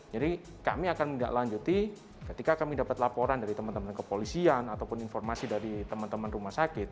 jadi kami akan mendaklanjuti ketika kami dapat laporan dari teman teman kepolisian ataupun informasi dari teman teman rumah sakit